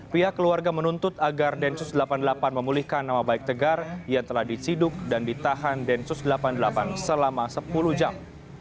pihak keluarga menuntut agar densus delapan puluh delapan memulihkan nama baik tegar yang telah diciduk dan ditahan densus delapan puluh delapan selama sepuluh jam